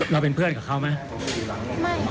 เราเป็นเพื่อนกับเขาไหม